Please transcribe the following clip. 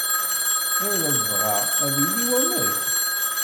Tɣilleḍ dɣa ad yili wamek?